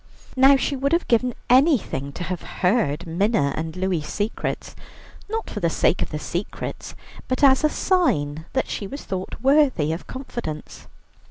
Now she would have given anything to have heard Minna and Louie's secrets, not for the sake of the secrets, but as a sign that she was thought worthy of confidence.